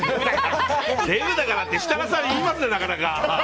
デブだからって設楽さん、言いますねなかなか！